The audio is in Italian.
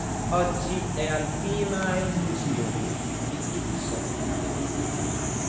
Oggi è al Pima Air Museum di Tucson.